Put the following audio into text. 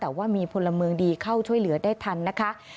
แต่ว่ามีพลเมืองดีเข้าช่วยเหลือได้ทันนะคะ